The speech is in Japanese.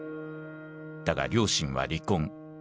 だが両親は離婚。